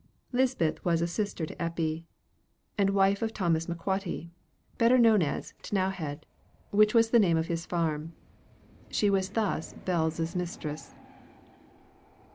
Lisbeth was sister to Eppie, and wife of Thomas McQuhatty, better known as T'nowhead, which was the name of his farm. She was thus Bell's mistress.